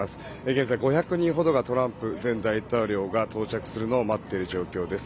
現在５００人ほどがトランプ前大統領が到着するのを待っている状況です。